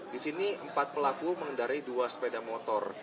di sini empat pelaku mengendarai dua sepeda motor